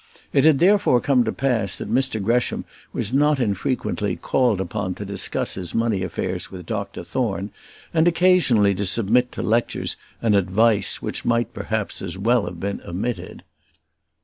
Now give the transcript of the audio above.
It had therefore come to pass that Mr Gresham was not unfrequently called upon to discuss his money affairs with Dr Thorne, and occasionally to submit to lectures and advice which might perhaps as well have been omitted.